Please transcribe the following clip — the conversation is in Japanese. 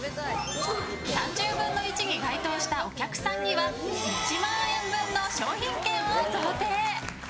３０分の１に該当したお客さんには１万円分の商品券を贈呈。